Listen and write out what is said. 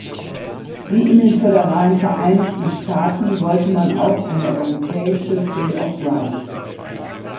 Wie in den föderalen Vereinigten Staaten wollte man auch eine europäische bill of rights.